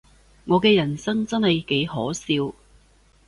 我嘅人生真係幾可笑